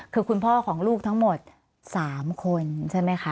คือคุณพ่อของลูกทั้งหมด๓คนใช่ไหมคะ